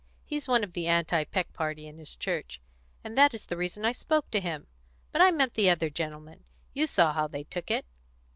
He's one of the anti Peck party in his church, and that is the reason I spoke to him. But I meant the other gentlemen. You saw how they took it."